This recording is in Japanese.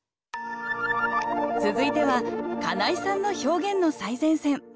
続いては金井さんの「表現の最前線」。